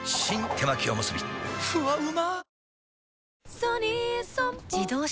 手巻おむすびふわうま